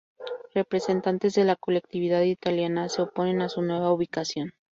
Representantes de la colectividad italiana se oponen a su nueva ubicación.